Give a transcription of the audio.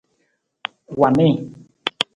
Wa nii.